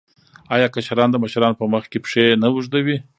آیا کشران د مشرانو په مخ کې پښې نه اوږدوي؟